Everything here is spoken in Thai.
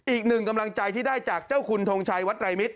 อีกหนึ่งกำลังใจที่ได้จากเจ้าคุณทงชัยวัดไรมิตร